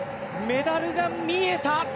メダルが見えた。